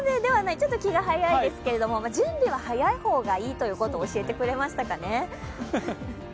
ちょっと気が早いですけれども、準備は早い方がいいということを教えてくれましたかね。